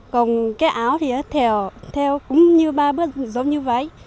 còn cái áo thì nó theo cũng như ba bước giống như vãi